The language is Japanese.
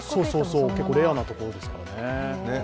結構レアなところですからね。